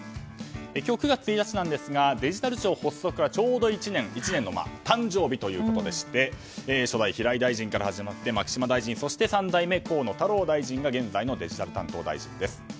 今日９月１日ですがデジタル庁発足からちょうど１年の誕生日ということで初代平井大臣から始まって牧島大臣そして３代目は河野太郎大臣が現在のデジタル担当大臣です。